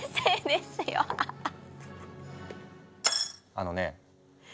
あのねえ。